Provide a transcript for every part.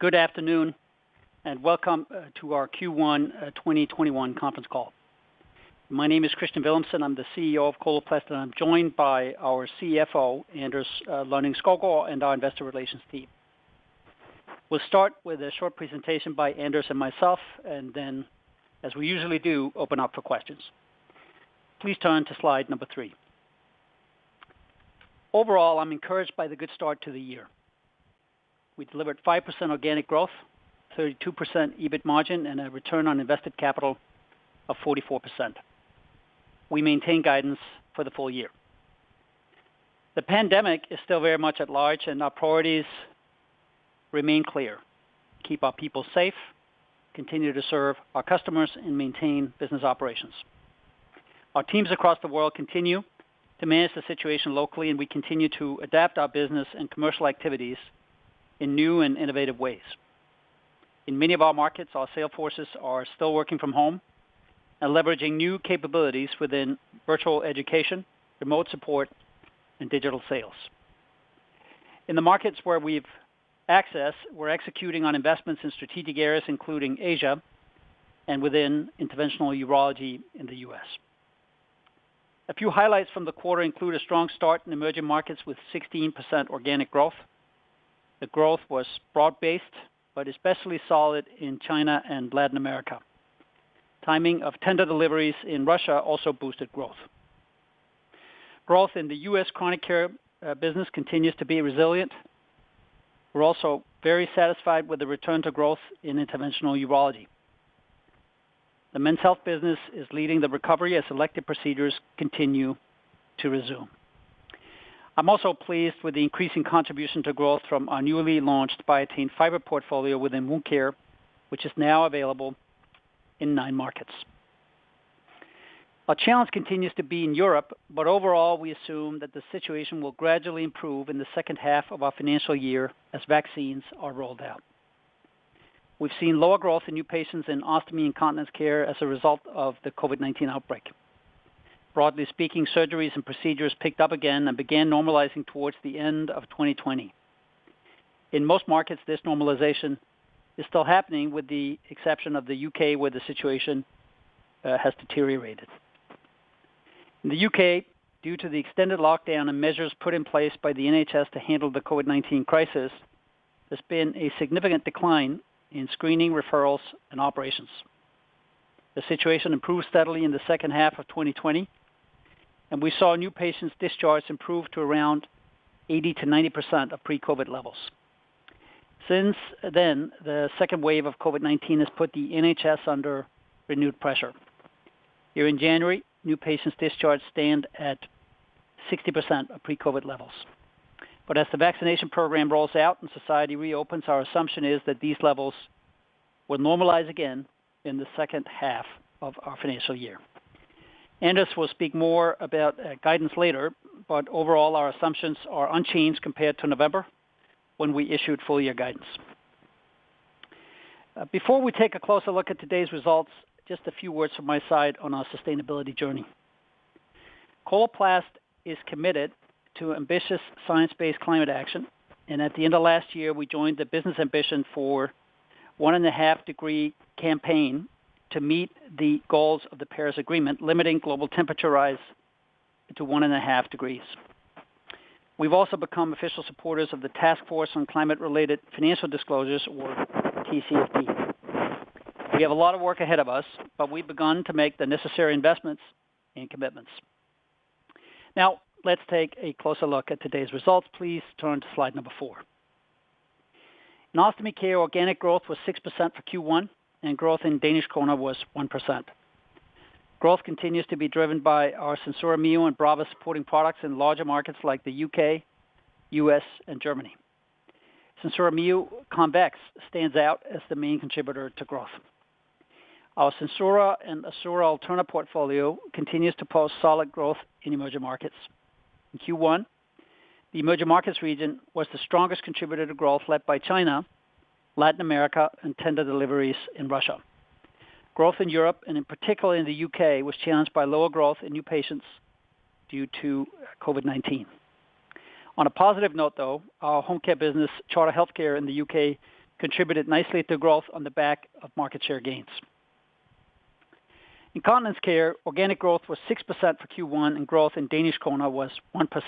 Good afternoon, welcome to our Q1 2021 conference call. My name is Kristian Villumsen, I'm the CEO of Coloplast, and I'm joined by our CFO, Anders Lonning-Skovgaard, and our investor relations team. We'll start with a short presentation by Anders and myself, and then, as we usually do, open up for questions. Please turn to slide number three. Overall, I'm encouraged by the good start to the year. We delivered 5% organic growth, 32% EBIT margin, and a return on invested capital of 44%. We maintain guidance for the full year. The pandemic is still very much at large, and our priorities remain clear: keep our people safe, continue to serve our customers, and maintain business operations. Our teams across the world continue to manage the situation locally, and we continue to adapt our business and commercial activities in new and innovative ways. In many of our markets, our sales forces are still working from home and leveraging new capabilities within virtual education, remote support, and digital sales. In the markets where we've access, we're executing on investments in strategic areas, including Asia and within interventional urology in the U.S. A few highlights from the quarter include a strong start in emerging markets with 16% organic growth. The growth was broad-based, but especially solid in China and Latin America. Timing of tender deliveries in Russia also boosted growth. Growth in the U.S. chronic care business continues to be resilient. We're also very satisfied with the return to growth in interventional urology. The men's health business is leading the recovery as selected procedures continue to resume. I'm also pleased with the increasing contribution to growth from our newly launched Biatain Fiber portfolio within wound care, which is now available in nine markets. Our challenge continues to be in Europe, Overall, we assume that the situation will gradually improve in the second half of our financial year as vaccines are rolled out. We've seen lower growth in new patients in Ostomy and Continence Care as a result of the COVID-19 outbreak. Broadly speaking, surgeries and procedures picked up again and began normalizing towards the end of 2020. In most markets, this normalization is still happening, with the exception of the U.K., where the situation has deteriorated. In the U.K., due to the extended lockdown and measures put in place by the NHS to handle the COVID-19 crisis, there's been a significant decline in screening referrals and operations. The situation improved steadily in the second half of 2020. We saw new patients discharged improve to around 80%-90% of pre-COVID levels. The second wave of COVID-19 has put the NHS under renewed pressure. Here in January, new patients discharged stand at 60% of pre-COVID levels. As the vaccination program rolls out and society reopens, our assumption is that these levels will normalize again in the second half of our financial year. Anders will speak more about guidance later, overall, our assumptions are unchanged compared to November, when we issued full-year guidance. Before we take a closer look at today's results, just a few words from my side on our sustainability journey. Coloplast is committed to ambitious science-based climate action, at the end of last year, we joined the business ambition for 1.5 degree campaign to meet the goals of the Paris Agreement, limiting global temperature rise to 1.5 degrees. We've also become official supporters of the Task Force on Climate-related Financial Disclosures, or TCFD. We have a lot of work ahead of us, but we've begun to make the necessary investments and commitments. Let's take a closer look at today's results. Please turn to slide number four. In ostomy care, organic growth was 6% for Q1, and growth in Danish kroner was 1%. Growth continues to be driven by our SenSura Mio and Brava supporting products in larger markets like the U.K., U.S., and Germany. SenSura Mio Convex stands out as the main contributor to growth. Our SenSura and Assura Alterna portfolio continues to post solid growth in emerging markets. In Q1, the emerging markets region was the strongest contributor to growth, led by China, Latin America, and tender deliveries in Russia. Growth in Europe, and in particular in the U.K., was challenged by lower growth in new patients due to COVID-19. On a positive note, though, our home care business, Charter Healthcare in the U.K., contributed nicely to growth on the back of market share gains. In continence care, organic growth was 6% for Q1, and growth in DKK was 1%.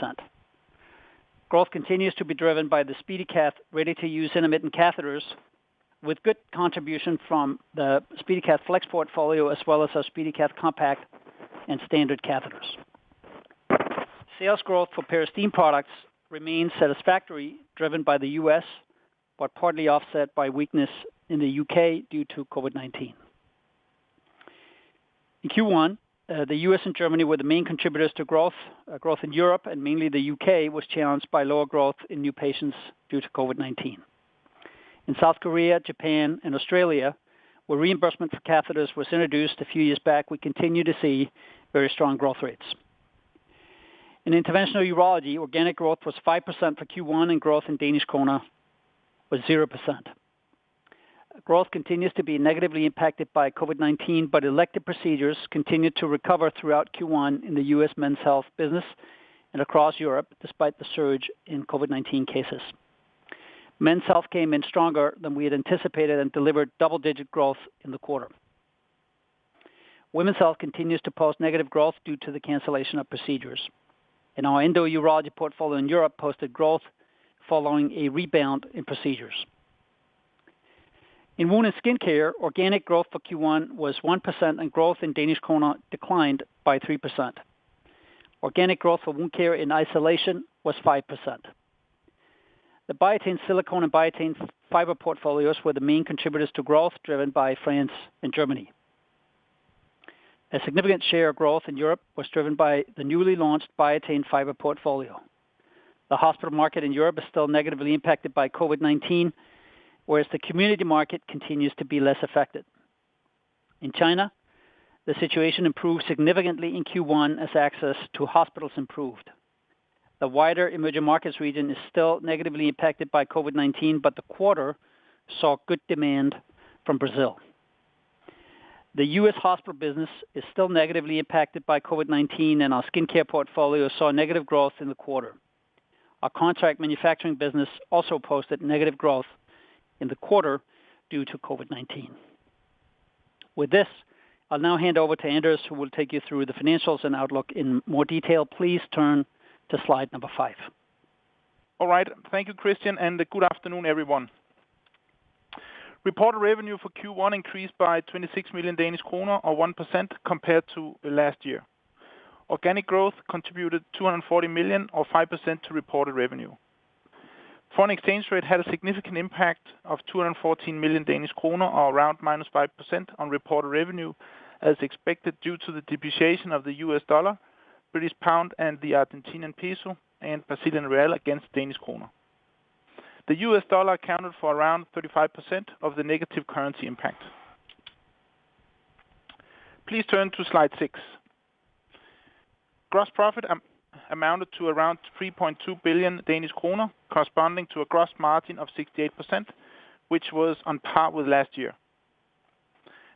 Growth continues to be driven by the SpeediCath ready-to-use intermittent catheters, with good contribution from the SpeediCath Flex portfolio, as well as our SpeediCath Compact and standard catheters. Sales growth for Peristeen products remains satisfactory, driven by the U.S., but partly offset by weakness in the U.K. due to COVID-19. In Q1, the U.S. and Germany were the main contributors to growth. Growth in Europe, and mainly the U.K., was challenged by lower growth in new patients due to COVID-19. In South Korea, Japan, and Australia, where reimbursement for catheters was introduced a few years back, we continue to see very strong growth rates. In interventional urology, organic growth was 5% for Q1, and growth in DKK was 0%. Growth continues to be negatively impacted by COVID-19, elective procedures continued to recover throughout Q1 in the U.S. Men's Health business and across Europe, despite the surge in COVID-19 cases. Men's Health came in stronger than we had anticipated and delivered double-digit growth in the quarter. Women's Health continues to post negative growth due to the cancellation of procedures, and our endourology portfolio in Europe posted growth following a rebound in procedures. In Wound and Skin Care, organic growth for Q1 was 1%, and growth in DKK declined by 3%. Organic growth for wound care in isolation was 5%. The Biatain Silicon and Biatain Fiber portfolios were the main contributors to growth, driven by France and Germany. A significant share of growth in Europe was driven by the newly launched Biatain Fiber portfolio. The hospital market in Europe is still negatively impacted by COVID-19, whereas the community market continues to be less affected. In China, the situation improved significantly in Q1 as access to hospitals improved. The wider emerging markets region is still negatively impacted by COVID-19, but the quarter saw good demand from Brazil. The U.S. hospital business is still negatively impacted by COVID-19, and our skincare portfolio saw negative growth in the quarter. Our contract manufacturing business also posted negative growth in the quarter due to COVID-19. With this, I'll now hand over to Anders, who will take you through the financials and outlook in more detail. Please turn to slide number five. All right. Thank you, Kristian, good afternoon, everyone. Reported revenue for Q1 increased by 26 million Danish kroner, or 1% compared to last year. Organic growth contributed 240 million or 5% to reported revenue. Foreign exchange rate had a significant impact of 214 million Danish kroner or around -5% on reported revenue, as expected, due to the depreciation of the U.S. dollar, British pound, and the Argentinian peso, and Brazilian real against Danish krone. The U.S. dollar accounted for around 35% of the negative currency impact. Please turn to slide six. Gross profit amounted to around 3.2 billion Danish kroner, corresponding to a gross margin of 68%, which was on par with last year.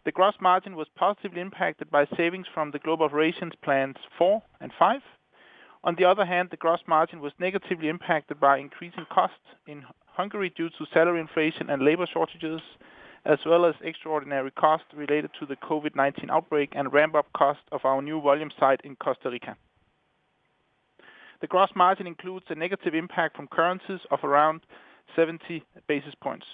The gross margin was positively impacted by savings from the Global Operations Plans 4 and 5. On the other hand, the gross margin was negatively impacted by increasing costs in Hungary due to salary inflation and labor shortages, as well as extraordinary costs related to the COVID-19 outbreak and ramp-up cost of our new volume site in Costa Rica. The gross margin includes a negative impact from currencies of around 70 basis points.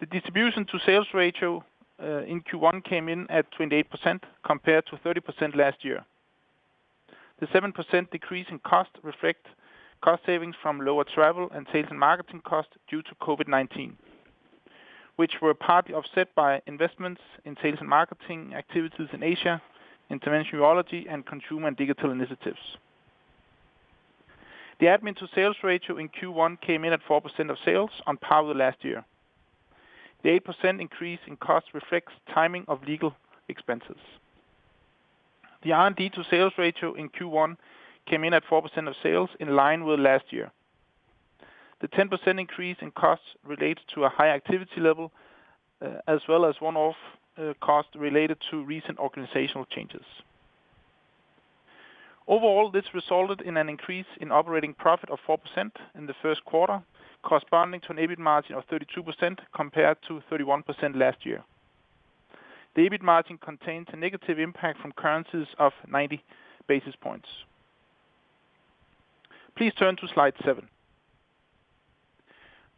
The distribution to sales ratio in Q1 came in at 28% compared to 30% last year. The 7% decrease in cost reflects cost savings from lower travel and sales and marketing costs due to COVID-19, which were partly offset by investments in sales and marketing activities in Asia, interventional urology, and consumer and digital initiatives. The admin to sales ratio in Q1 came in at 4% of sales, on par with last year. The 8% increase in cost reflects timing of legal expenses. The R&D to sales ratio in Q1 came in at 4% of sales, in line with last year. The 10% increase in costs relates to a high activity level as well as one-off costs related to recent organizational changes. Overall, this resulted in an increase in operating profit of 4% in the first quarter, corresponding to an EBIT margin of 32% compared to 31% last year. The EBIT margin contains a negative impact from currencies of 90 basis points. Please turn to slide seven.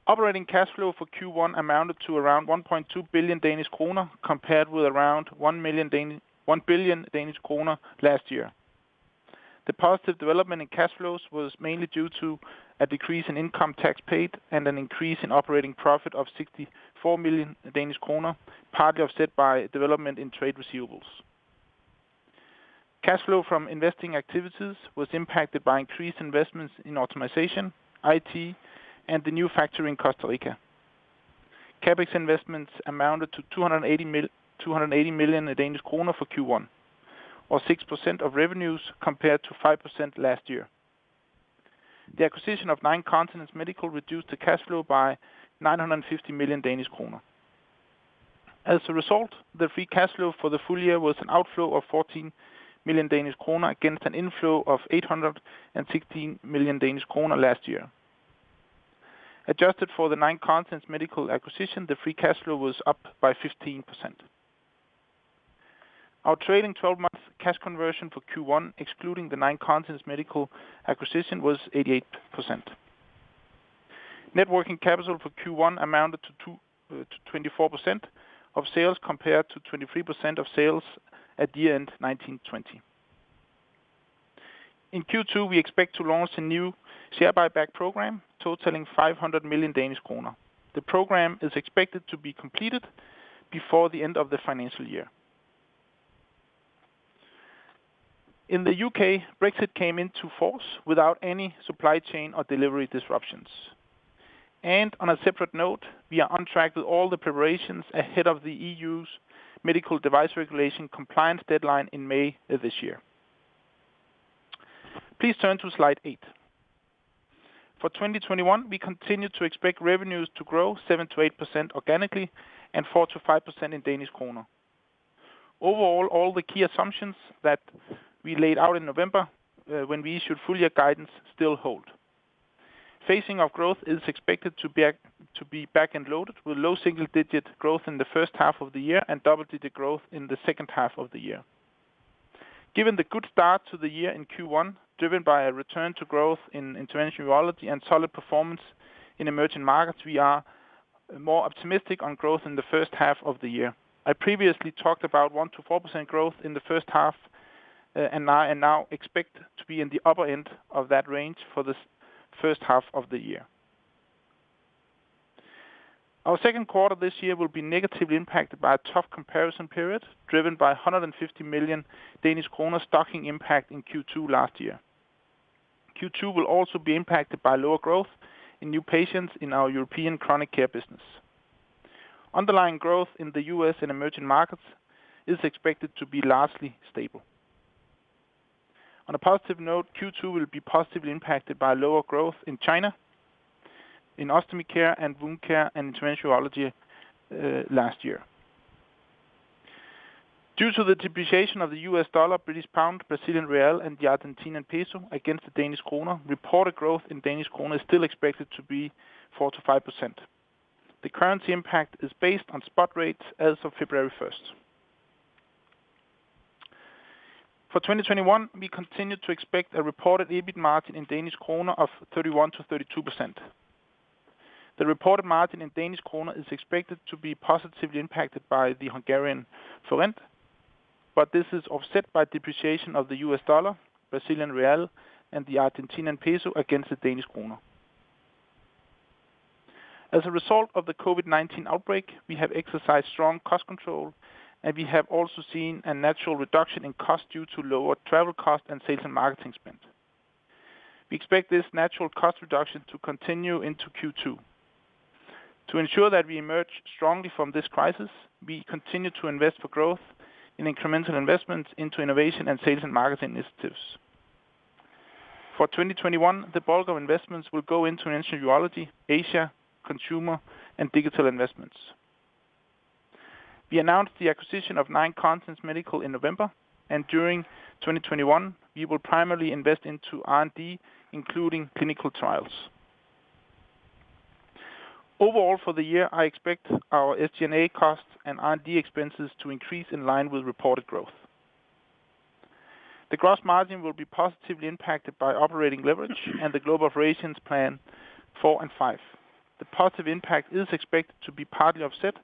Operating cash flow for Q1 amounted to around 1.2 billion Danish kroner, compared with around 1 billion Danish kroner last year. The positive development in cash flows was mainly due to a decrease in income tax paid and an increase in operating profit of 64 million Danish kroner, partly offset by development in trade receivables. Cash flow from investing activities was impacted by increased investments in automation, IT, and the new factory in Costa Rica. CapEx investments amounted to 280 million for Q1, or 6% of revenues compared to 5% last year. The acquisition of Nine Continents Medical reduced the cash flow by 950 million Danish kroner. As a result, the free cash flow for the full year was an outflow of 14 million Danish kroner against an inflow of 816 million Danish kroner last year. Adjusted for the Nine Continents Medical acquisition, the free cash flow was up by 15%. Our trailing 12-month cash conversion for Q1, excluding the Nine Continents Medical acquisition, was 88%. Net working capital for Q1 amounted to 24% of sales, compared to 23% of sales at the end 2019/2020. In Q2, we expect to launch a new share buyback program totaling 500 million Danish kroner. The program is expected to be completed before the end of the financial year. In the U.K., Brexit came into force without any supply chain or delivery disruptions. On a separate note, we are on track with all the preparations ahead of the EU's Medical Device Regulation compliance deadline in May of this year. Please turn to slide eight. For 2021, we continue to expect revenues to grow 7%-8% organically and 4%-5% in Danish krone. Overall, all the key assumptions that we laid out in November when we issued full-year guidance still hold. Phasing of growth is expected to be back-end loaded with low single-digit growth in the first half of the year and double-digit growth in the second half of the year. Given the good start to the year in Q1, driven by a return to growth in interventional urology and solid performance in emerging markets, we are more optimistic on growth in the first half of the year. I previously talked about 1%-4% growth in the first half, and now expect to be in the upper end of that range for the first half of the year. Our second quarter this year will be negatively impacted by a tough comparison period, driven by 150 million Danish kroner stocking impact in Q2 last year. Q2 will also be impacted by lower growth in new patients in our European chronic care business. Underlying growth in the U.S. and emerging markets is expected to be largely stable. On a positive note, Q2 will be positively impacted by lower growth in China, in ostomy care and wound care and interventional urology last year. Due to the depreciation of the U.S. dollar, British pound, Brazilian real, and the Argentinian peso against Danish krone, reported growth Danish krone is still expected to be 4%-5%. The currency impact is based on spot rates as of February 1st. For 2021, we continue to expect a reported EBIT margin in DKK of 31%-32%. The reported margin Danish krone is expected to be positively impacted by the Hungarian forint, but this is offset by depreciation of the US dollar, Brazilian real, and the Argentinian peso against Danish krone. as a result of the COVID-19 outbreak, we have exercised strong cost control, and we have also seen a natural reduction in cost due to lower travel cost and sales and marketing spend. We expect this natural cost reduction to continue into Q2. To ensure that we emerge strongly from this crisis, we continue to invest for growth in incremental investments into innovation and sales and marketing initiatives. For 2021, the bulk of investments will go interventional urology, Asia, consumer, and digital investments. We announced the acquisition of Nine Continents Medical in November, and during 2021, we will primarily invest into R&D, including clinical trials. Overall for the year, I expect our SG&A costs and R&D expenses to increase in line with reported growth. The gross margin will be positively impacted by operating leverage and the Global Operations Plans four and five. The positive impact is expected to be partly offset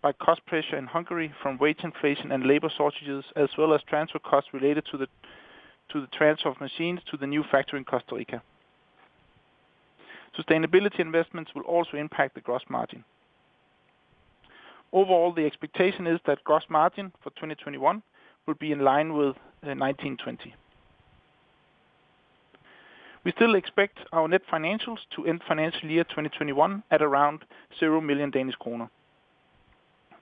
by cost pressure in Hungary from wage inflation and labor shortages, as well as transfer costs related to the transfer of machines to the new factory in Costa Rica. Sustainability investments will also impact the gross margin. Overall, the expectation is that gross margin for 2021 will be in line with 2019-2020. We still expect our net financials to end financial year 2021 at around zero million Danish krone.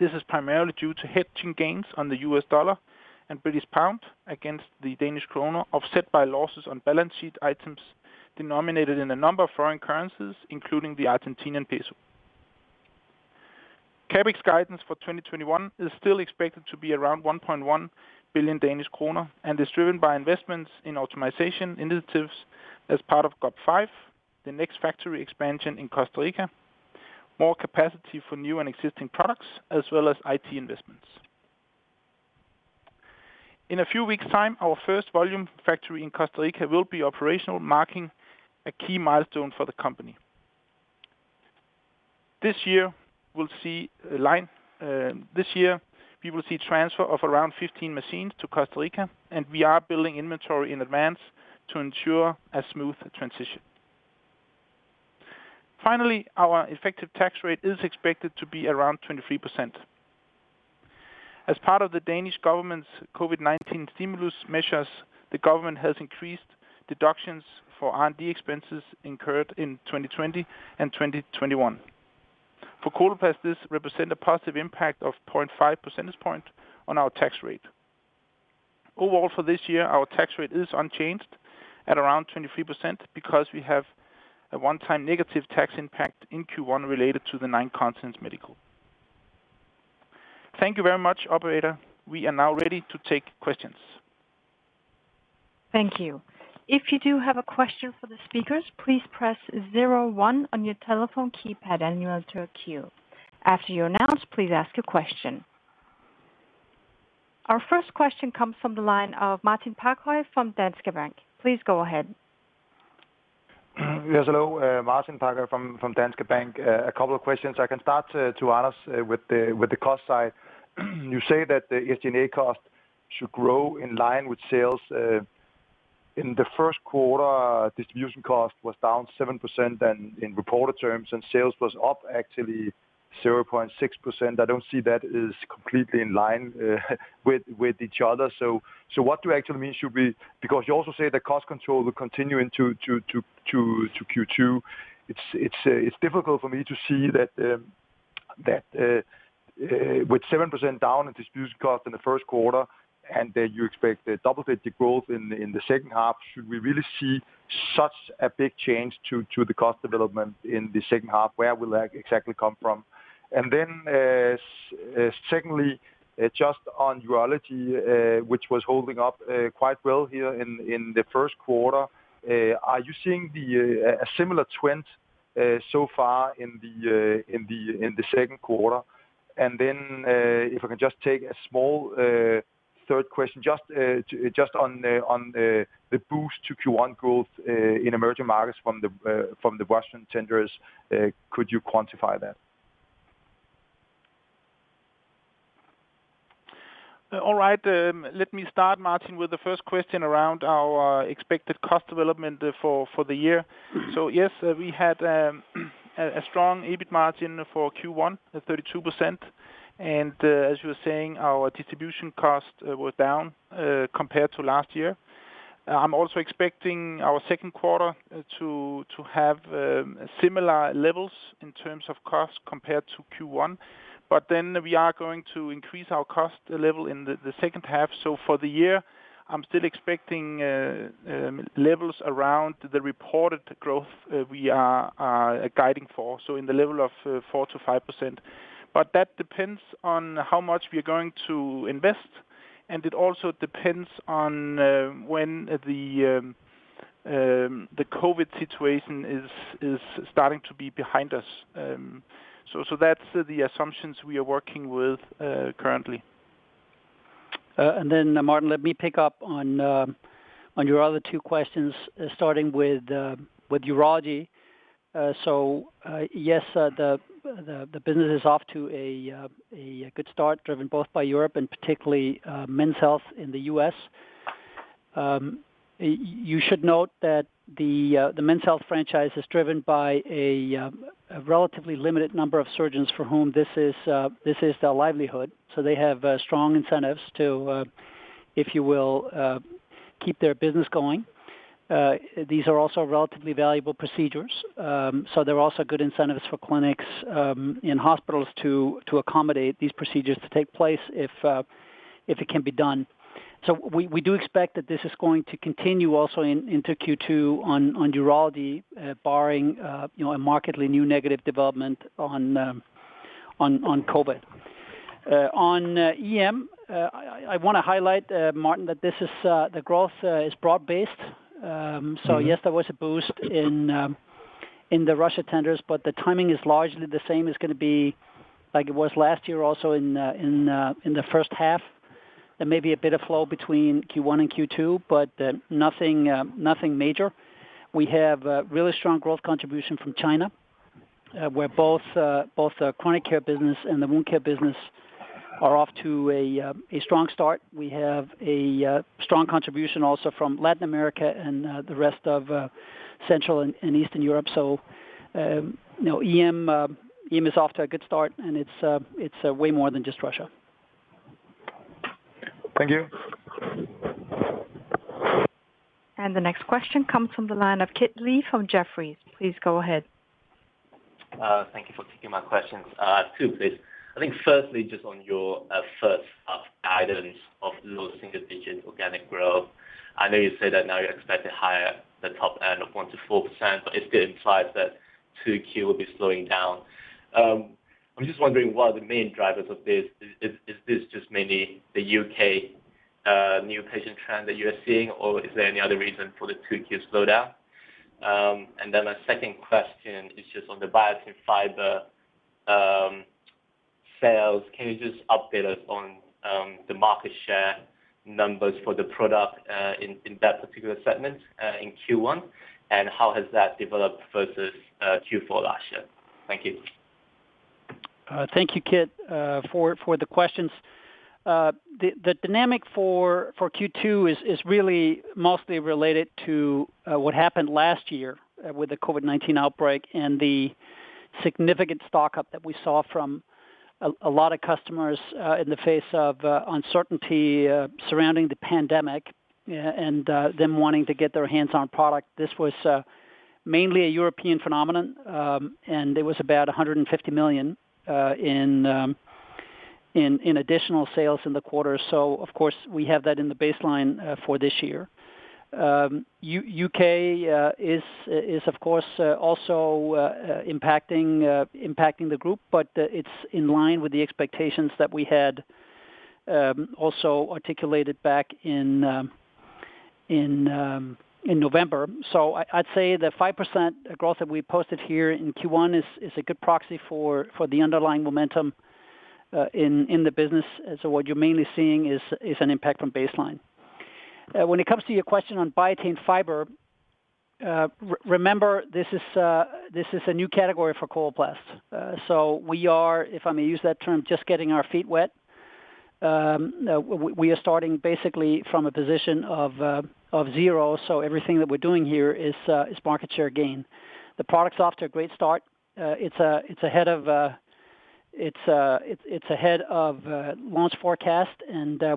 This is primarily due to hedging gains on the US dollar and British pound against the Danish krone, offset by losses on balance sheet items denominated in a number of foreign currencies, including the Argentinian peso. CapEx guidance for 2021 is still expected to be around 1.1 billion Danish kroner and is driven by investments in automatization initiatives as part of GOP5, the next factory expansion in Costa Rica, more capacity for new and existing products, as well as IT investments. In a few weeks' time, our first volume factory in Costa Rica will be operational, marking a key milestone for the company. This year, we will see transfer of around 15 machines to Costa Rica, and we are building inventory in advance to ensure a smooth transition. Finally, our effective tax rate is expected to be around 23%. As part of the Danish government's COVID-19 stimulus measures, the government has increased deductions for R&D expenses incurred in 2020 and 2021. For Coloplast, this represent a positive impact of 0.5 percentage point on our tax rate. Overall for this year, our tax rate is unchanged at around 23% because we have a one-time negative tax impact in Q1 related to the Nine Continents Medical. Thank you very much, operator. We are now ready to take questions. Thank you. If you do have a question for the speakers, please press zero one on your telephone keypad and you enter a queue. After you are announced, please ask your question. Our first question comes from the line of Martin Parkhøi from Danske Bank. Please go ahead. Yes, hello. Martin Parkhøi from Danske Bank. A couple of questions. I can start to ask with the cost side. You say that the SG&A cost should grow in line with sales. In the first quarter, distribution cost was down 7% then in reported terms, and sales was up actually 0.6%. I don't see that is completely in line with each other. What do you actually mean? You also say the cost control will continue into Q2. It's difficult for me to see that. That with 7% down in distribution costs in the first quarter, and then you expect a double-digit growth in the second half, should we really see such a big change to the cost development in the second half? Where will that exactly come from? Secondly, just on urology, which was holding up quite well here in the first quarter, are you seeing a similar trend so far in the second quarter? If I can just take a small third question, just on the boost to Q1 growth in emerging markets from the Russian tenders, could you quantify that? Let me start, Martin, with the first question around our expected cost development for the year. Yes, we had a strong EBIT margin for Q1, at 32%. As you were saying, our distribution costs were down compared to last year. I'm also expecting our second quarter to have similar levels in terms of cost compared to Q1. We are going to increase our cost level in the second half. For the year, I'm still expecting levels around the reported growth we are guiding for, so in the level of 4%-5%. That depends on how much we are going to invest, and it also depends on when the COVID situation is starting to be behind us. That's the assumptions we are working with currently. Then Martin, let me pick up on your other two questions, starting with Urology. Yes, the business is off to a good start, driven both by Europe and particularly Men's Health in the U.S. You should note that the Men's Health franchise is driven by a relatively limited number of surgeons for whom this is their livelihood. They have strong incentives to, if you will, keep their business going. These are also relatively valuable procedures, so there are also good incentives for clinics in hospitals to accommodate these procedures to take place if it can be done. We do expect that this is going to continue also into Q2 on Urology, barring a markedly new negative development on COVID-19. On EM, I want to highlight, Martin, that the growth is broad-based. Yes, there was a boost in the Russia tenders, but the timing is largely the same as it was last year, also in the first half. There may be a bit of flow between Q1 and Q2, but nothing major. We have a really strong growth contribution from China, where both the chronic care business and the wound care business are off to a strong start. We have a strong contribution also from Latin America and the rest of Central and Eastern Europe. EM is off to a good start, and it's way more than just Russia. Thank you. The next question comes from the line of Kit Lee from Jefferies. Please go ahead. Thank you for taking my questions. Two, please. On your first guidance of low single-digit organic growth, I know you say that now you're expecting higher the top end of 1%-4%, it still implies that 2Q will be slowing down. What are the main drivers of this? Is this just mainly the U.K. new patient trend that you're seeing, or is there any other reason for the 2Q slowdown? My second question is on the Biatain Fiber sales. Can you update us on the market share numbers for the product in that particular segment in Q1, and how has that developed versus Q4 last year? Thank you. Thank you, Kit, for the questions. The dynamic for Q2 is really mostly related to what happened last year with the COVID-19 outbreak and the significant stock-up that we saw from a lot of customers in the face of uncertainty surrounding the pandemic and them wanting to get their hands on product. This was mainly a European phenomenon, there was about 150 million in additional sales in the quarter. Of course, we have that in the baseline for this year. U.K. is, of course, also impacting the group, but it's in line with the expectations that we had also articulated back in November. I'd say the 5% growth that we posted here in Q1 is a good proxy for the underlying momentum in the business. What you're mainly seeing is an impact from baseline. When it comes to your question on Biatain Fiber, remember, this is a new category for Coloplast. We are, if I may use that term, just getting our feet wet. We are starting basically from a position of zero, everything that we're doing here is market share gain. The product's off to a great start. It's ahead of launch forecast,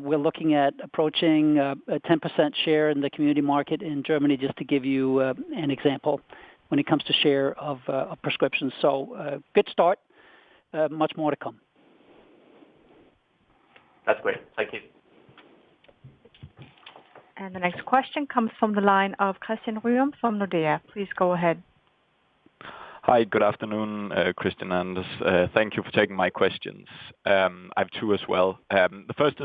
we're looking at approaching a 10% share in the community market in Germany, just to give you an example when it comes to share of prescriptions. A good start. Much more to come. That's great. Thank you. The next question comes from the line of Christian Ryom from Nordea. Please go ahead. Hi. Good afternoon, Kristian and Anders. Thank you for taking my questions. I have two as well. The first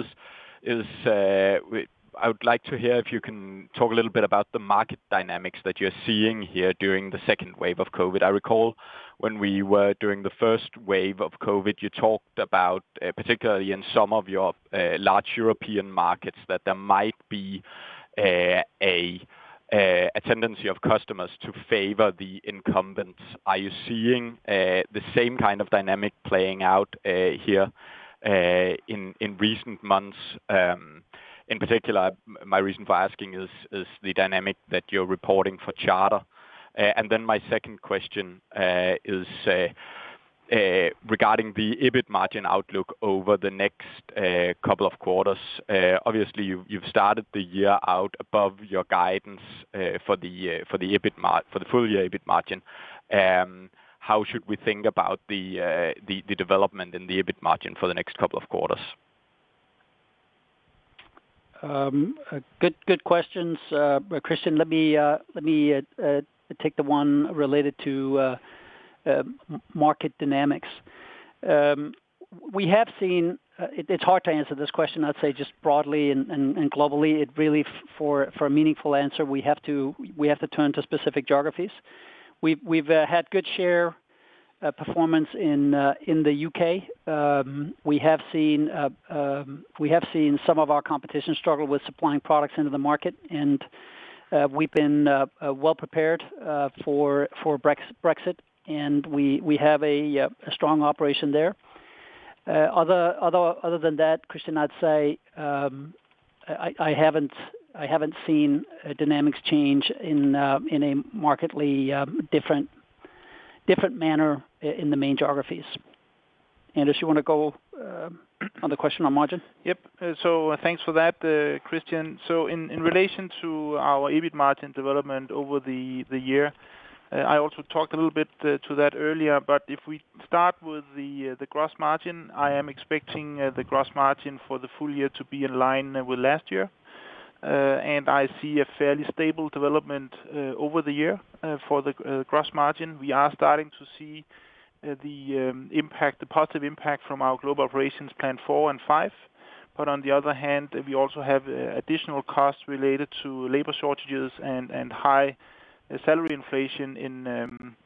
is, I would like to hear if you can talk a little bit about the market dynamics that you're seeing here during the second wave of COVID-19. I recall when we were doing the first wave of COVID-19, you talked about, particularly in some of your large European markets, that there might be a tendency of customers to favor the incumbents. Are you seeing the same kind of dynamic playing out here in recent months? In particular, my reason for asking is the dynamic that you're reporting for Charter Healthcare. My second question is regarding the EBIT margin outlook over the next couple of quarters. Obviously, you've started the year out above your guidance for the full year EBIT margin. How should we think about the development in the EBIT margin for the next couple of quarters? Good questions, Christian. Let me take the one related to market dynamics. It's hard to answer this question, I'd say just broadly and globally. Really for a meaningful answer, we have to turn to specific geographies. We've had good share performance in the U.K. We have seen some of our competition struggle with supplying products into the market, and we've been well-prepared for Brexit, and we have a strong operation there. Other than that, Christian, I'd say, I haven't seen dynamics change in a markedly different manner in the main geographies. Anders, you want to go on the question on margin? Yep. Thanks for that, Christian. In relation to our EBIT margin development over the year, I also talked a little bit to that earlier, if we start with the gross margin, I am expecting the gross margin for the full year to be in line with last year. I see a fairly stable development over the year for the gross margin. We are starting to see the positive impact from our Global Operations Plans 4 and 5. On the other hand, we also have additional costs related to labor shortages and high salary inflation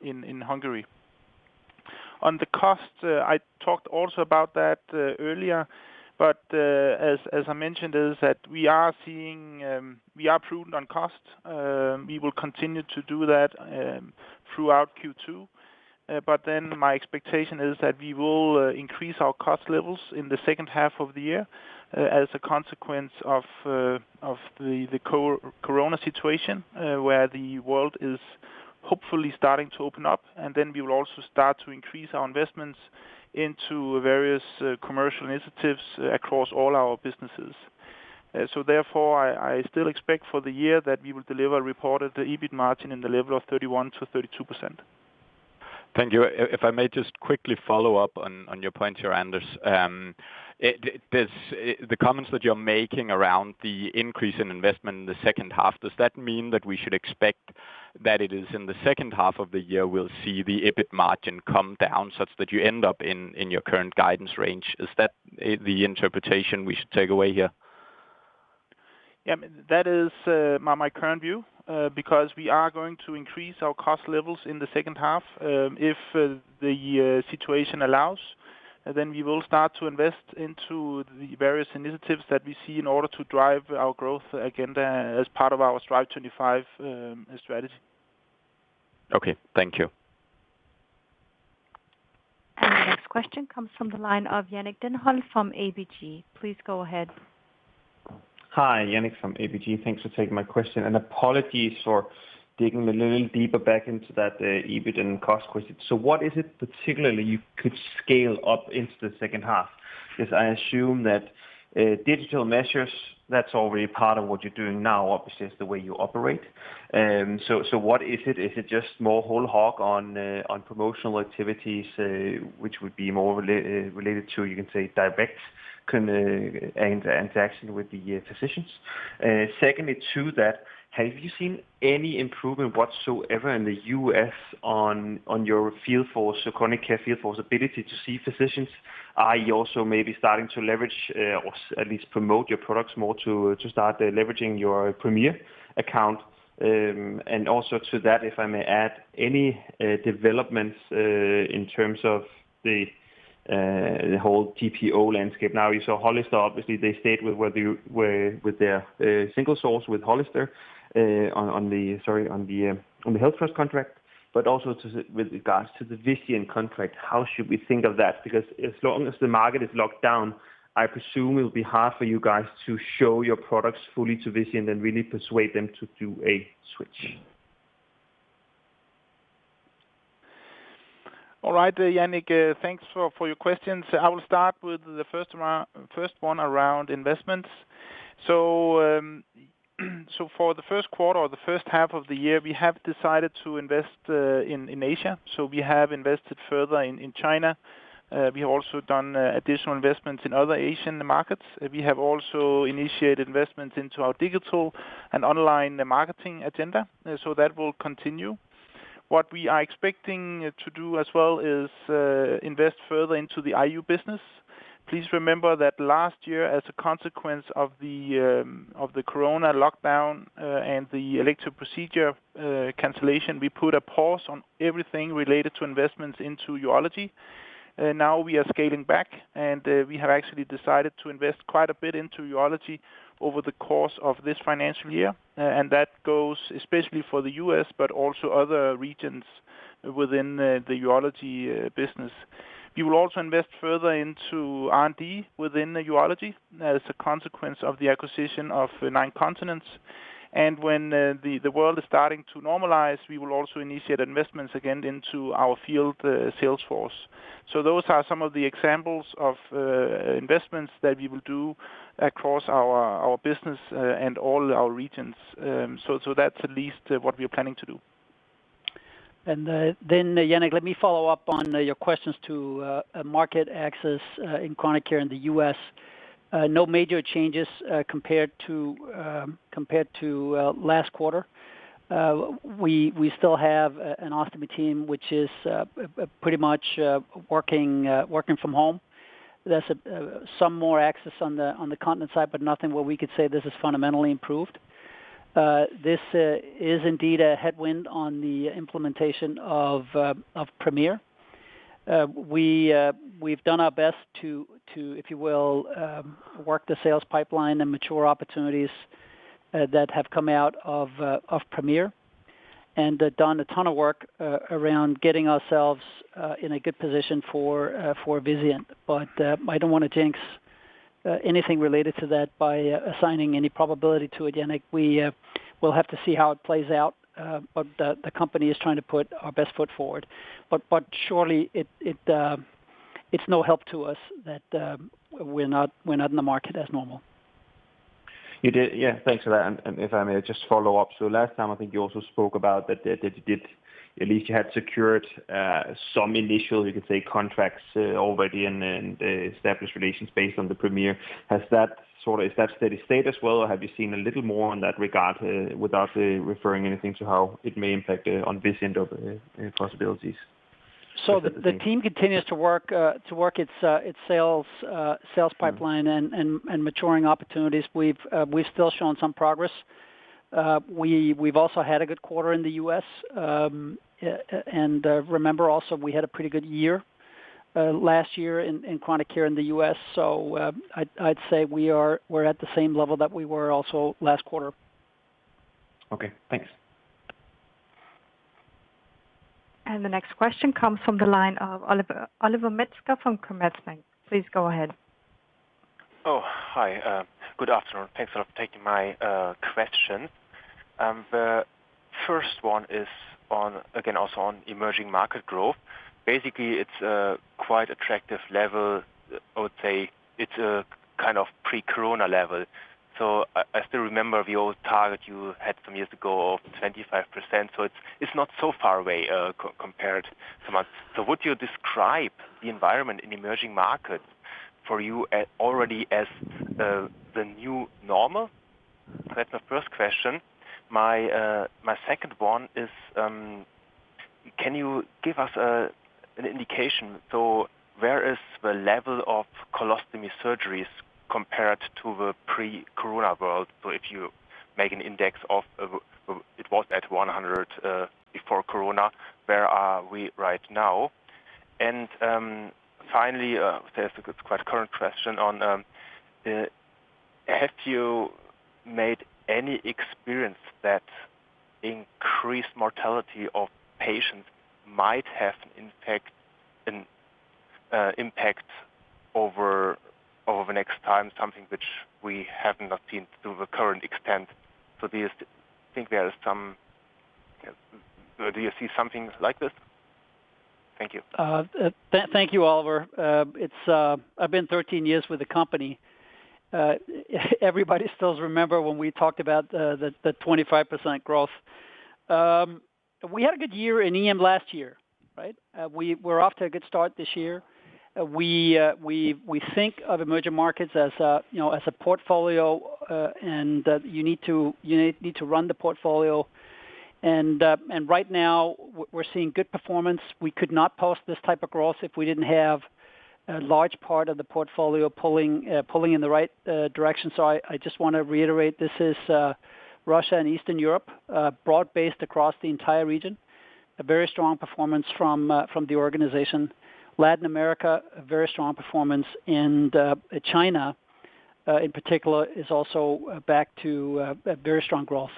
in Hungary. On the cost, I talked also about that earlier, as I mentioned, is that we are prudent on cost. We will continue to do that throughout Q2. My expectation is that we will increase our cost levels in the second half of the year as a consequence of the COVID situation, where the world is hopefully starting to open up. We will also start to increase our investments into various commercial initiatives across all our businesses. Therefore, I still expect for the year that we will deliver reported the EBIT margin in the level of 31%-32%. Thank you. If I may just quickly follow up on your point here, Anders. The comments that you're making around the increase in investment in the second half, does that mean that we should expect that it is in the second half of the year we'll see the EBIT margin come down such that you end up in your current guidance range? Is that the interpretation we should take away here? Yeah. That is my current view, because we are going to increase our cost levels in the second half. If the situation allows, we will start to invest into the various initiatives that we see in order to drive our growth agenda as part of our Strive25 strategy. Okay. Thank you. The next question comes from the line of Jannick Denholt from ABG. Please go ahead. Hi. Jannick from ABG. Thanks for taking my question. Apologies for digging a little deeper back into that EBIT and cost question. What is it particularly you could scale up into the second half? Because I assume that digital measures, that's already part of what you're doing now, obviously, it's the way you operate. What is it? Is it just more whole hog on promotional activities, which would be more related to, you can say, direct interaction with the physicians? Secondly to that, have you seen any improvement whatsoever in the U.S. on your chronic care field force ability to see physicians? Are you also maybe starting to leverage or at least promote your products more to start leveraging your Premier account? Also to that, if I may add, any developments in terms of the whole GPO landscape. Now we saw Hollister, obviously, they stayed with their single source with Hollister on the HealthFirst contract. Also with regards to the Vizient contract, how should we think of that? Because as long as the market is locked down, I presume it will be hard for you guys to show your products fully to Vizient and really persuade them to do a switch. All right, Jannick, thanks for your questions. I will start with the first one around investments. For the first quarter or the first half of the year, we have decided to invest in Asia, so we have invested further in China. We have also done additional investments in other Asian markets. We have also initiated investments into our digital and online marketing agenda, so that will continue. What we are expecting to do as well is invest further into the IU business. Please remember that last year, as a consequence of the COVID-19 lockdown and the elective procedure cancellation, we put a pause on everything related to investments into urology. Now we are scaling back, and we have actually decided to invest quite a bit into urology over the course of this financial year. That goes especially for the U.S., but also other regions within the urology business. We will also invest further into R&D within urology as a consequence of the acquisition of Nine Continents. When the world is starting to normalize, we will also initiate investments again into our field sales force. Those are some of the examples of investments that we will do across our business and all our regions. That's at least what we are planning to do. Jannick, let me follow up on your questions to market access in chronic care in the U.S. No major changes compared to last quarter. We still have an ostomy team, which is pretty much working from home. There's some more access on the continent side, but nothing where we could say this is fundamentally improved. This is indeed a headwind on the implementation of Premier. We've done our best to, if you will, work the sales pipeline and mature opportunities that have come out of Premier and done a ton of work around getting ourselves in a good position for Vizient. I don't want to jinx anything related to that by assigning any probability to it, Jannick. We'll have to see how it plays out. The company is trying to put our best foot forward. Surely it's no help to us that we're not in the market as normal. Yeah, thanks for that. If I may just follow up. Last time, I think you also spoke about that you did at least you had secured some initial, you could say, contracts already and established relations based on the Premier. Is that steady state as well, or have you seen a little more on that regard without referring anything to how it may impact on Vizient of possibilities? The team continues to work its sales pipeline and maturing opportunities. We've still shown some progress. We've also had a good quarter in the U.S. Remember also, we had a pretty good year last year in chronic care in the U.S. I'd say we're at the same level that we were also last quarter. Okay, thanks. The next question comes from the line of Oliver Metzger from Commerzbank. Please go ahead. Oh, hi. Good afternoon. Thanks for taking my question. The first one is, again, also on emerging market growth. Basically, it's a quite attractive level. I would say it's a kind of pre-corona level. I still remember the old target you had some years ago of 25%, it's not so far away compared so much. Would you describe the environment in emerging markets for you already as the new normal? That's my first question. My second one is can you give us an indication, where is the level of colostomy surgeries compared to the pre-corona world? If you make an index of it was at 100 before corona, where are we right now? Finally, quite current question on have you made any experience that increased mortality of patients might have an impact over the next time, something which we have not seen to the current extent? Do you see something like this? Thank you. Thank you, Oliver. I've been 13 years with the company. Everybody still remembers when we talked about the 25% growth. We had a good year in EM last year. We're off to a good start this year. We think of emerging markets as a portfolio, and you need to run the portfolio. Right now, we're seeing good performance. We could not post this type of growth if we didn't have a large part of the portfolio pulling in the right direction. I just want to reiterate, this is Russia and Eastern Europe, broad-based across the entire region. A very strong performance from the organization. Latin America, a very strong performance. China in particular is also back to very strong growth.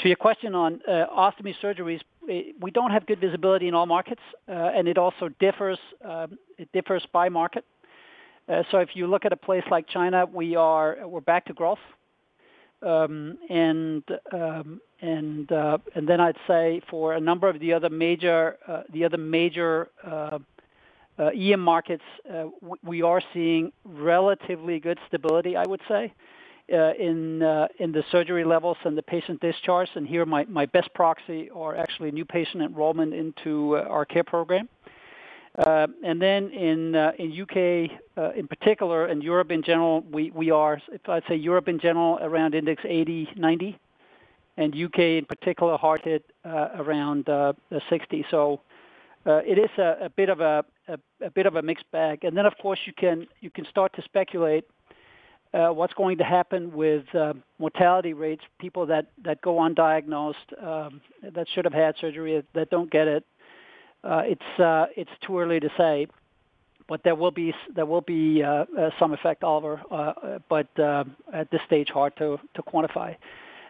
To your question on ostomy surgeries, we don't have good visibility in all markets, and it also differs by market. If you look at a place like China, we're back to growth. Then I'd say for a number of the other major EM markets, we are seeing relatively good stability, I would say, in the surgery levels and the patient discharge. Here my best proxy are actually new patient enrollment into our care program. In U.K. in particular, and Europe in general, around index 80, 90, and U.K. in particular hard hit around 60. It is a bit of a mixed bag. Of course you can start to speculate what's going to happen with mortality rates, people that go undiagnosed, that should have had surgery that don't get it. It's too early to say, but there will be some effect, Oliver, but at this stage hard to quantify.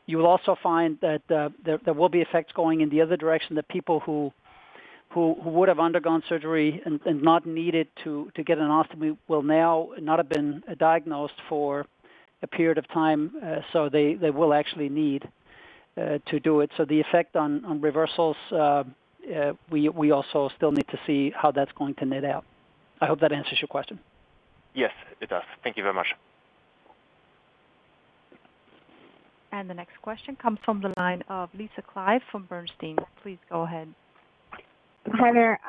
You will also find that there will be effects going in the other direction, the people who would have undergone surgery and not needed to get an ostomy will now not have been diagnosed for a period of time, so they will actually need to do it. The effect on reversals, we also still need to see how that's going to net out. I hope that answers your question. Yes, it does. Thank you very much. The next question comes from the line of Lisa Clive from Bernstein. Please go ahead. Hi there.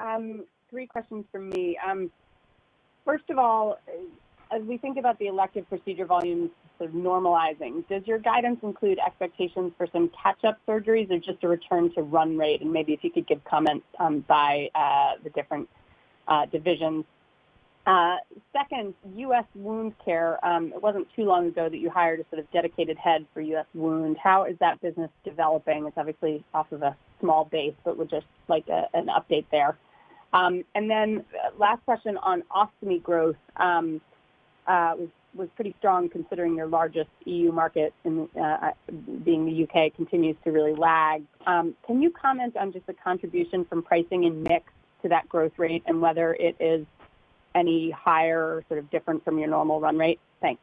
Three questions from me. First of all, as we think about the elective procedure volumes sort of normalizing, does your guidance include expectations for some catch-up surgeries or just a return to run rate? Maybe if you could give comments by the different divisions. Second, U.S. wound care. It wasn't too long ago that you hired a sort of dedicated head for U.S. wound. How is that business developing? It's obviously off of a small base, but would just like an update there. Last question on ostomy growth, was pretty strong considering your largest E.U. market, being the U.K., continues to really lag. Can you comment on just the contribution from pricing and mix to that growth rate and whether it is any higher, sort of different from your normal run rate? Thanks.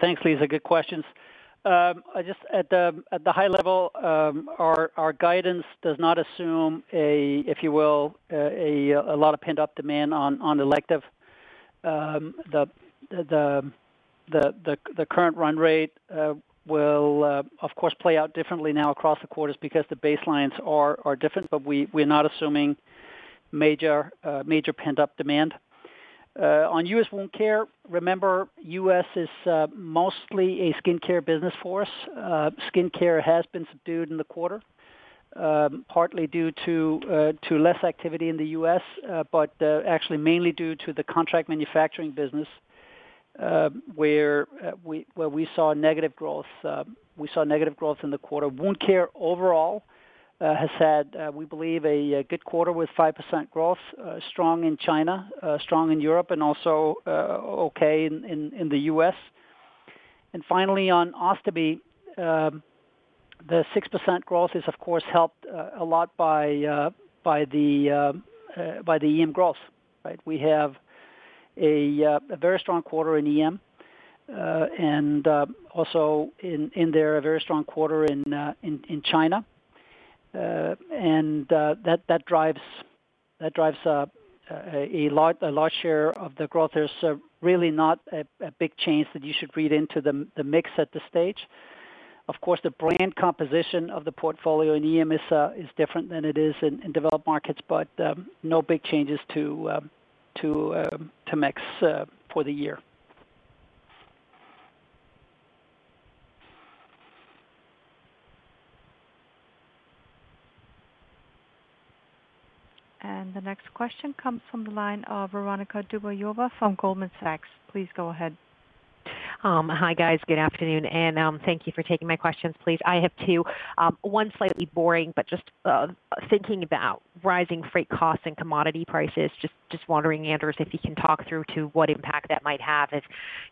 Thanks, Lisa. Good questions. Just at the high level, our guidance does not assume a, if you will, a lot of pent-up demand on elective. The current run rate will, of course, play out differently now across the quarters because the baselines are different, but we're not assuming major pent-up demand. On U.S. wound care, remember, U.S. is mostly a skincare business for us. Skincare has been subdued in the quarter, partly due to less activity in the U.S. but actually mainly due to the contract manufacturing business, where we saw negative growth in the quarter. Wound care overall has had, we believe, a good quarter with 5% growth, strong in China, strong in Europe, also okay in the U.S. Finally, on Ostomy, the 6% growth is of course helped a lot by the EM growth. We have a very strong quarter in EM, and also in there, a very strong quarter in China. That drives a large share of the growth. There's really not a big change that you should read into the mix at this stage. Of course, the brand composition of the portfolio in EM is different than it is in developed markets, but no big changes to mix for the year. The next question comes from the line of Veronika Dubajova from Goldman Sachs. Please go ahead. Hi, guys. Good afternoon, and thank you for taking my questions, please. I have two. Just thinking about rising freight costs and commodity prices, just wondering, Anders, if you can talk through to what impact that might have,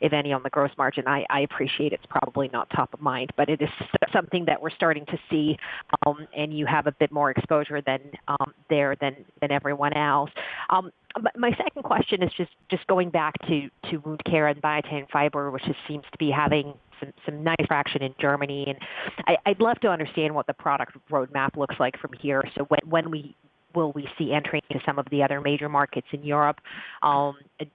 if any, on the gross margin. I appreciate it's probably not top of mind, it is something that we're starting to see, and you have a bit more exposure there than everyone else. My second question is just going back to wound care and Biatain Fiber, which just seems to be having some nice traction in Germany, and I'd love to understand what the product roadmap looks like from here. When will we see entry into some of the other major markets in Europe?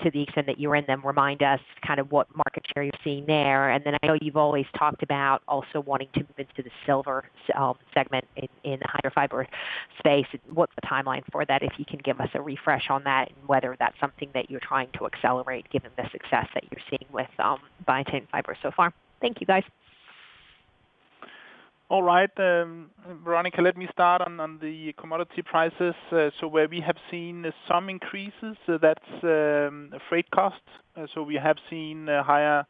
To the extent that you're in them, remind us kind of what market share you're seeing there. I know you've always talked about also wanting to move into the silver segment in the higher fiber space. What's the timeline for that? If you can give us a refresh on that and whether that's something that you're trying to accelerate given the success that you're seeing with Biatain Fiber so far. Thank you, guys. All right. Veronika, let me start on the commodity prices. Where we have seen some increases, that's freight costs. We have seen higher,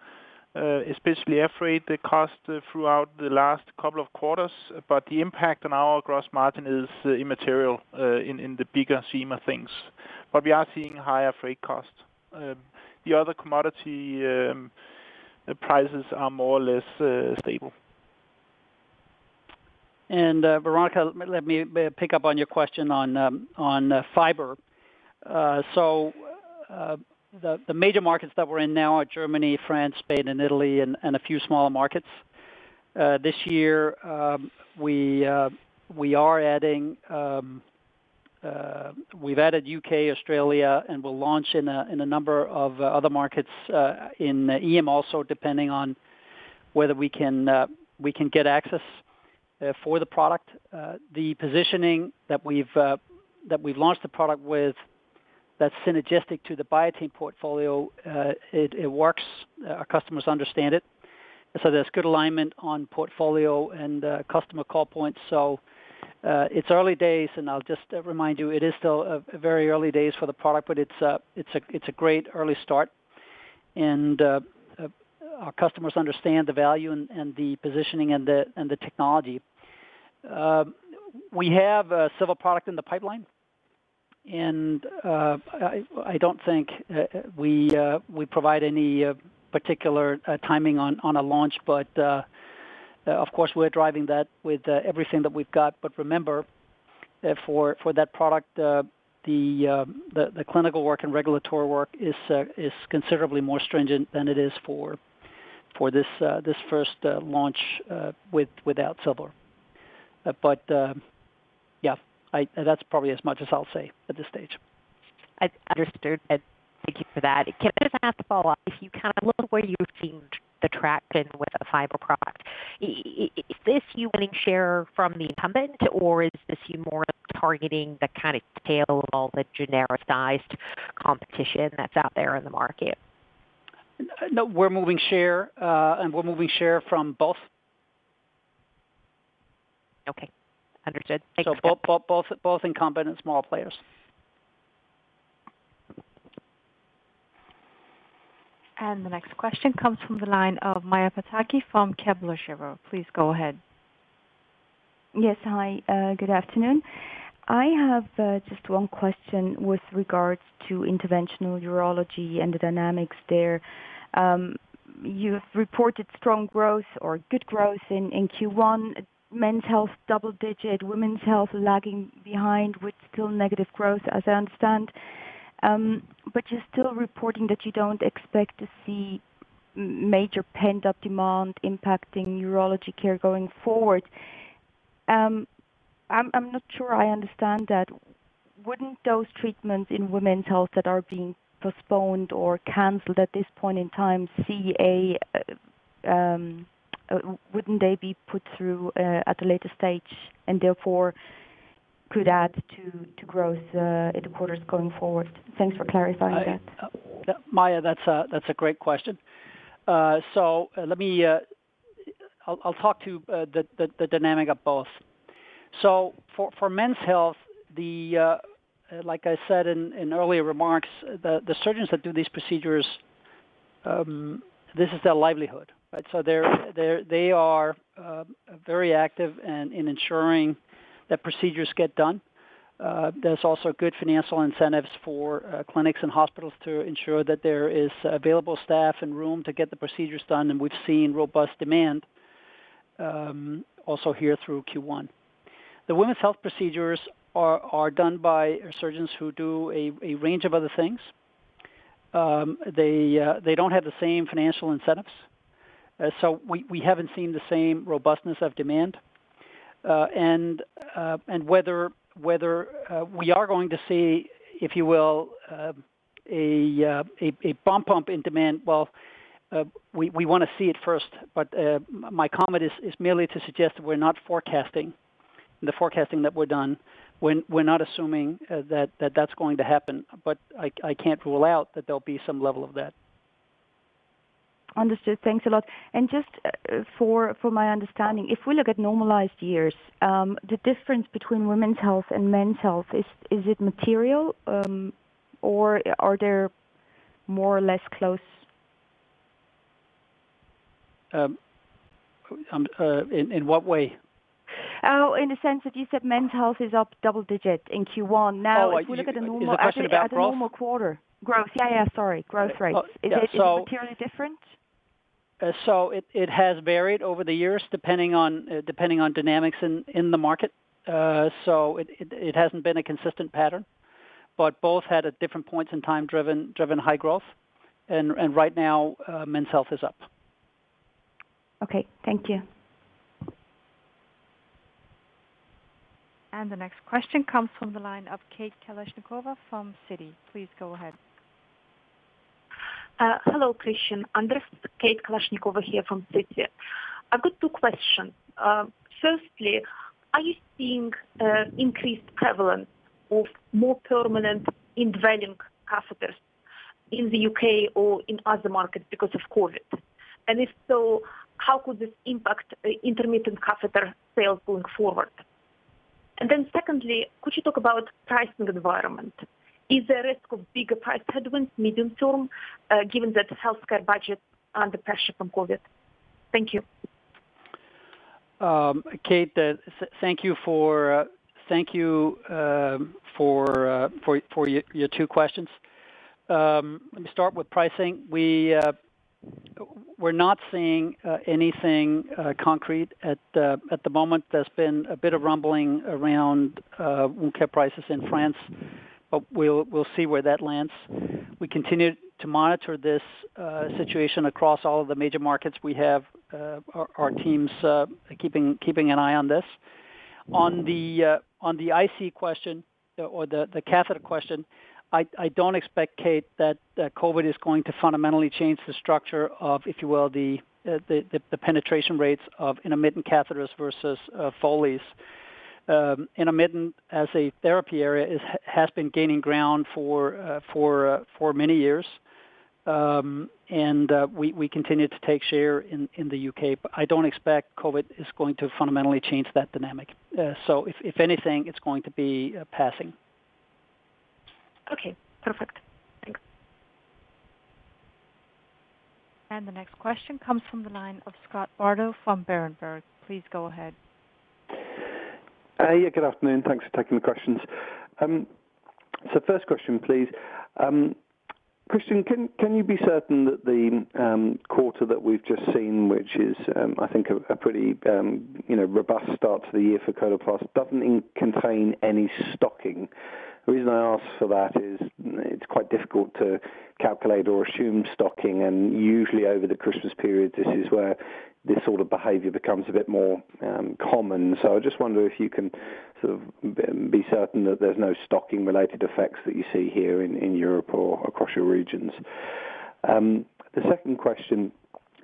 especially air freight costs throughout the last couple of quarters. The impact on our gross margin is immaterial in the bigger scheme of things. We are seeing higher freight costs. The other commodity prices are more or less stable. Veronika, let me pick up on your question on Biatain Fiber. The major markets that we're in now are Germany, France, Spain, and Italy, and a few smaller markets. This year, we've added U.K., Australia, and we'll launch in a number of other markets in EM also, depending on whether we can get access for the product. The positioning that we've launched the product with, that's synergistic to the Biatain portfolio, it works. Our customers understand it. There's good alignment on portfolio and customer call points. It's early days, and I'll just remind you, it is still very early days for the product, but it's a great early start. Our customers understand the value and the positioning and the technology. We have a silver product in the pipeline, and I don't think we provide any particular timing on a launch, but, of course, we're driving that with everything that we've got. Remember, for that product, the clinical work and regulatory work is considerably more stringent than it is for this first launch without silver. Yeah, that's probably as much as I'll say at this stage. Understood. Thank you for that. Can I just ask a follow-up? If you look where you've seen the traction with the fiber product, is this you winning share from the incumbent, or is this you more targeting the kind of tail of all the genericized competition that's out there in the market? No, we're moving share, and we're moving share from both. Okay. Understood. Thank you. Both incumbent and small players. The next question comes from the line of Maja Pataki from Kepler Cheuvreux. Please go ahead. Yes. Hi, good afternoon. I have just one question with regards to interventional urology and the dynamics there. You have reported strong growth or good growth in Q1, men's health double digit, women's health lagging behind with still negative growth, as I understand. You're still reporting that you don't expect to see major pent-up demand impacting urology care going forward. I'm not sure I understand that. Wouldn't those treatments in women's health that are being postponed or canceled at this point in time, wouldn't they be put through at a later stage and therefore could add to growth in the quarters going forward? Thanks for clarifying that. Maja, that's a great question. I'll talk to the dynamic of both. For men's health, like I said in earlier remarks, the surgeons that do these procedures, this is their livelihood, right? They are very active in ensuring that procedures get done. There's also good financial incentives for clinics and hospitals to ensure that there is available staff and room to get the procedures done, and we've seen robust demand also here through Q1. The women's health procedures are done by surgeons who do a range of other things. They don't have the same financial incentives, so we haven't seen the same robustness of demand. Whether we are going to see, if you will, a bump in demand, well, we want to see it first. My comment is merely to suggest that we're not forecasting. In the forecasting that we've done, we're not assuming that that's going to happen. I can't rule out that there'll be some level of that. Understood. Thanks a lot. Just for my understanding, if we look at normalized years, the difference between women's health and men's health, is it material, or are there more or less close? In what way? Oh, in the sense that you said men's health is up double digit in Q1. If we look at the normal quarter. Is the question about growth? Growth? Yeah. Sorry. Growth rates. Is it materially different? It has varied over the years, depending on dynamics in the market. It hasn't been a consistent pattern, but both had at different points in time driven high growth. Right now, men's health is up. Okay. Thank you. The next question comes from the line of Kate Kalashnikova from Citi. Please go ahead. Hello, Kristian. Kate Kalashnikova here from Citi. I got two question. Firstly, are you seeing increased prevalence of more permanent indwelling catheters in the U.K. or in other markets because of COVID-19? If so, how could this impact intermittent catheter sales going forward? Secondly, could you talk about pricing environment? Is there risk of bigger price headwinds medium term, given that healthcare budgets are under pressure from COVID-19? Thank you. Kate, thank you for your two questions. Let me start with pricing. We're not seeing anything concrete at the moment. There's been a bit of rumbling around wound care prices in France. We'll see where that lands. We continue to monitor this situation across all of the major markets. We have our teams keeping an eye on this. On the IC question or the catheter question, I don't expect, Kate, that COVID-19 is going to fundamentally change the structure of, if you will, the penetration rates of intermittent catheters versus Foleys. Intermittent, as a therapy area, has been gaining ground for many years. We continue to take share in the U.K. I don't expect COVID-19 is going to fundamentally change that dynamic. If anything, it's going to be passing. Okay, perfect. Thanks. The next question comes from the line of Scott Bardo from Berenberg. Please go ahead. Good afternoon. Thanks for taking the questions. First question, please. Kristian, can you be certain that the quarter that we've just seen, which is, I think, a pretty robust start to the year for Coloplast, doesn't contain any stocking? The reason I ask for that is it's quite difficult to calculate or assume stocking, and usually over the Christmas period, this is where this sort of behavior becomes a bit more common. I just wonder if you can sort of be certain that there's no stocking-related effects that you see here in Europe or across your regions. The second question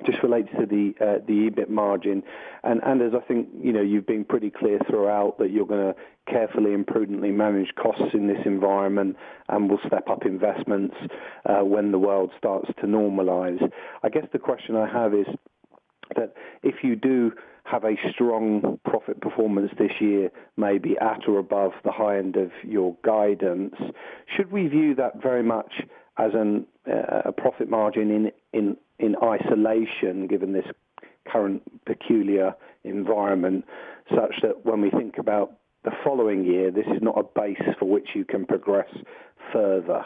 just relates to the EBIT margin. Anders, I think you've been pretty clear throughout that you're going to carefully and prudently manage costs in this environment and will step up investments when the world starts to normalize. I guess the question I have is that if you do have a strong profit performance this year, maybe at or above the high end of your guidance, should we view that very much as a profit margin in isolation, given this current peculiar environment, such that when we think about the following year, this is not a base from which you can progress further?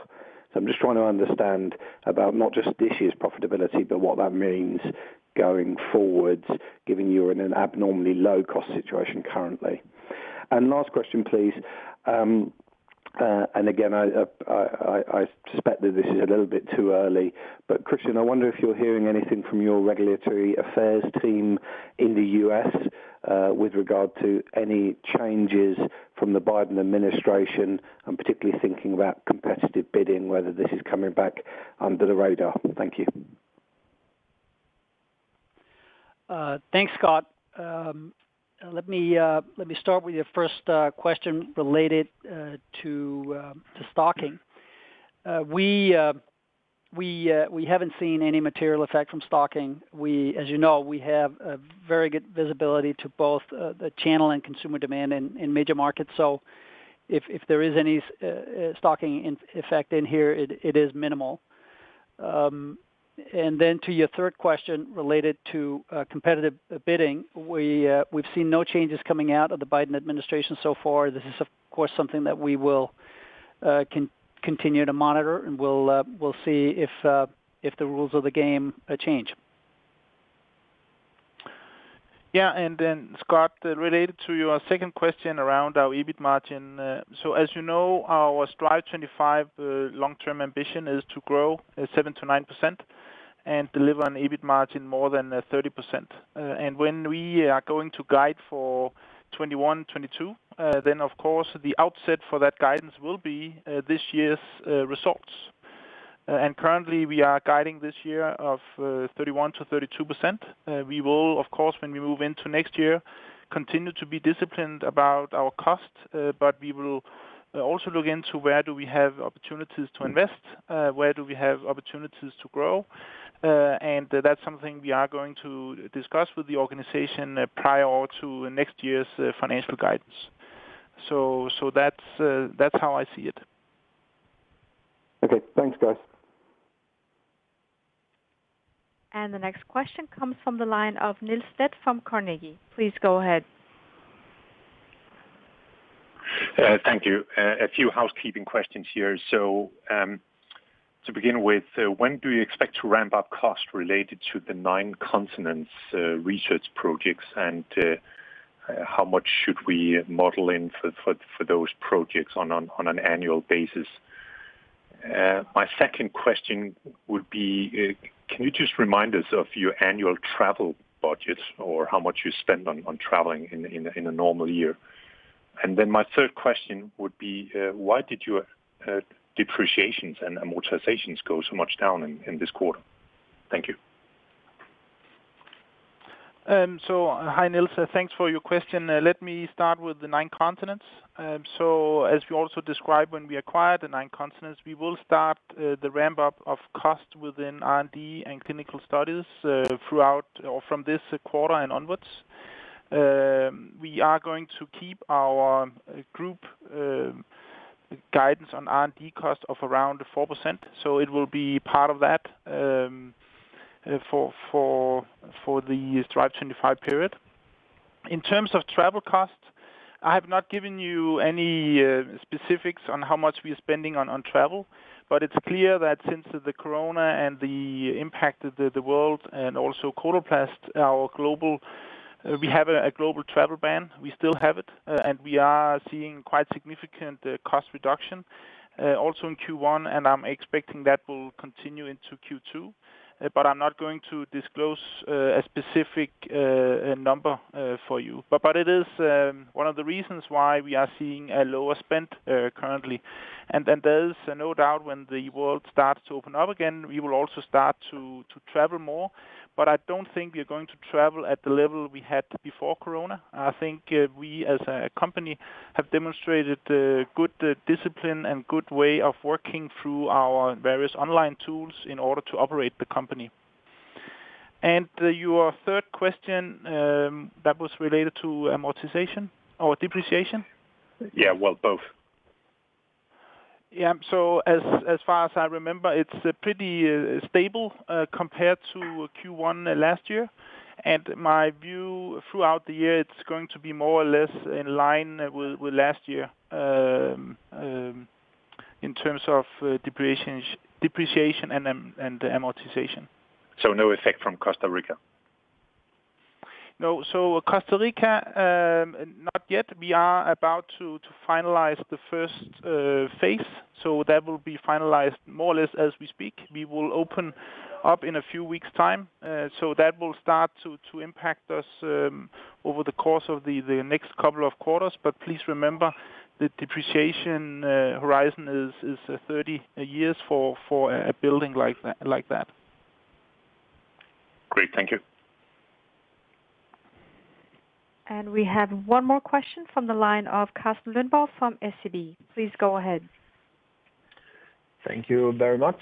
I'm just trying to understand about not just this year's profitability, but what that means going forward, given you are in an abnormally low-cost situation currently. Last question, please. Again, I suspect that this is a little bit too early, but Kristian, I wonder if you're hearing anything from your regulatory affairs team in the U.S. with regard to any changes from the Biden administration. I'm particularly thinking about competitive bidding, whether this is coming back under the radar. Thank you. Thanks, Scott. Let me start with your first question related to stocking. We haven't seen any material effect from stocking. As you know, we have a very good visibility to both the channel and consumer demand in major markets. If there is any stocking effect in here, it is minimal. To your third question related to competitive bidding, we've seen no changes coming out of the Biden administration so far. This is, of course, something that we will continue to monitor, and we'll see if the rules of the game change. Yeah. Then Scott, related to your second question around our EBIT margin. As you know, our Strive25 long-term ambition is to grow at 7%-9% and deliver an EBIT margin more than 30%. When we are going to guide for 2021, 2022, then of course, the outset for that guidance will be this year's results. Currently, we are guiding this year of 31%-32%. We will, of course, when we move into next year, continue to be disciplined about our cost, but we will also look into where do we have opportunities to invest, where do we have opportunities to grow, and that's something we are going to discuss with the organization prior to next year's financial guidance. That's how I see it. Okay. Thanks, guys. The next question comes from the line of Niels Leth from Carnegie. Please go ahead. Thank you. A few housekeeping questions here. To begin with, when do you expect to ramp up cost related to the Nine Continents' research projects, and how much should we model in for those projects on an annual basis? My second question would be, can you just remind us of your annual travel budgets or how much you spend on traveling in a normal year? My third question would be, why did your depreciations and amortizations go so much down in this quarter? Thank you. Hi, Niels. Thanks for your question. Let me start with the Nine Continents. As we also described when we acquired the Nine Continents, we will start the ramp-up of cost within R&D and clinical studies throughout or from this quarter and onwards. We are going to keep our group guidance on R&D cost of around 4%. It will be part of that for the Strive25 period. In terms of travel costs, I have not given you any specifics on how much we are spending on travel. It's clear that since the Corona and the impact of the world and also Coloplast, we have a global travel ban. We still have it. We are seeing quite significant cost reduction, also in Q1. I'm expecting that will continue into Q2. I'm not going to disclose a specific number for you. It is one of the reasons why we are seeing a lower spend currently. There is no doubt when the world starts to open up again, we will also start to travel more. I don't think we are going to travel at the level we had before COVID-19. I think we, as a company, have demonstrated good discipline and good way of working through our various online tools in order to operate the company. Your third question, that was related to amortization or depreciation? Yeah, well, both. Yeah. As far as I remember, it's pretty stable compared to Q1 last year. My view throughout the year, it's going to be more or less in line with last year in terms of depreciation and amortization. No effect from Costa Rica? No. Costa Rica, not yet. We are about to finalize the first phase. That will be finalized more or less as we speak. We will open up in a few weeks' time. That will start to impact us over the course of the next couple of quarters. Please remember, the depreciation horizon is 30 years for a building like that. Great. Thank you. We have one more question from the line of Carsten Lønborg from SEB. Please go ahead. Thank you very much.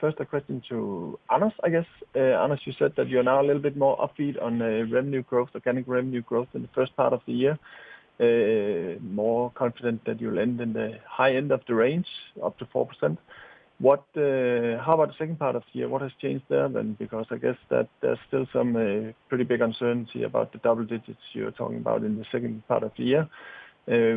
First a question to Anders, I guess. Anders, you said that you are now a little bit more upbeat on the revenue growth, organic revenue growth in the first part of the year. More confident that you'll end in the high end of the range, up to 4%. How about the second part of the year? What has changed there then? I guess that there's still some pretty big uncertainty about the double digits you're talking about in the second part of the year.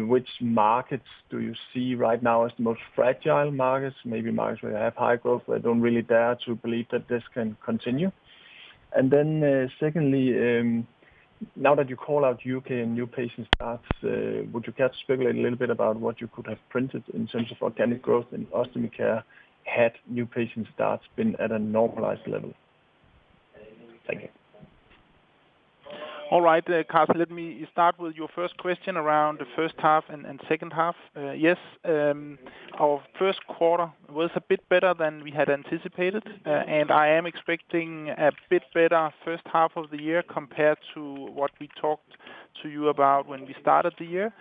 Which markets do you see right now as the most fragile markets? Maybe markets where you have high growth, but don't really dare to believe that this can continue. Secondly, now that you call out U.K. and new patient starts, would you care to speculate a little bit about what you could have printed in terms of organic growth in Ostomy Care had new patient starts been at a normalized level? Thank you. All right, Carsten, let me start with your first question around the first half and second half. Yes, our first quarter was a bit better than we had anticipated. I am expecting a bit better first half of the year compared to what we talked to you about when we started the year.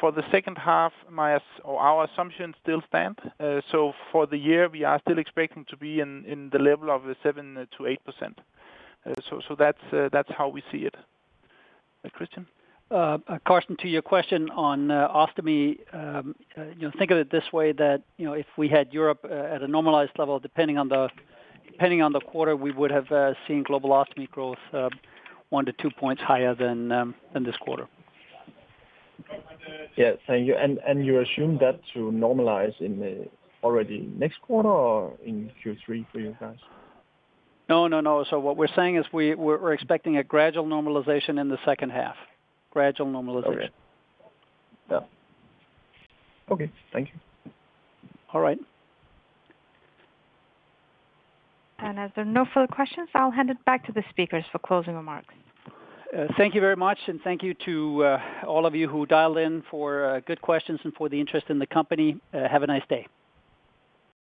For the second half, our assumptions still stand. For the year, we are still expecting to be in the level of 7%-8%. That's how we see it. Kristian? Carsten, to your question on Ostomy, think of it this way that if we had Europe at a normalized level, depending on the quarter, we would have seen global Ostomy growth one to two points higher than this quarter. Yeah. Thank you. You assume that to normalize in already next quarter or in Q3 for you guys? No. What we're saying is we're expecting a gradual normalization in the second half. Gradual normalization. Okay. Thank you. All right. As there are no further questions, I'll hand it back to the speakers for closing remarks. Thank you very much, and thank you to all of you who dialed in for good questions and for the interest in the company. Have a nice day.